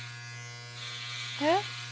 えっ？